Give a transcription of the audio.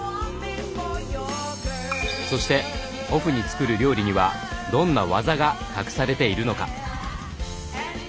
そしてオフに作る料理にはどんな技が隠されているのか？